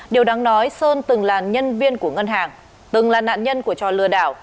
điều đáng nói sơn từng là nhân viên của ngân hàng từng là nạn nhân của trò lừa đảo